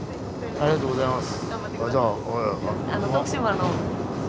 ありがとうございます。